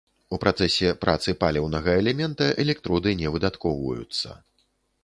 У працэсе працы паліўнага элемента, электроды не выдаткоўваюцца.